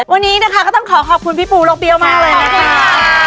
วันนี้นะคะก็ต้องขอขอบคุณพี่ปูลกเปี๊ยวมากเลยนะคะ